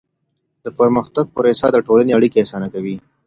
د پرمختګ پروسه د ټولني اړیکي اسانه کوي.